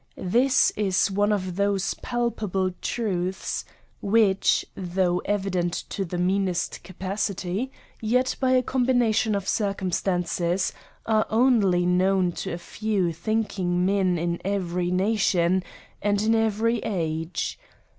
This is one of those palpable truths which though evi dent to the meanest capacity, yet by a combina tion of circumstances, are only known to a few thinking men in every nation, and in every age.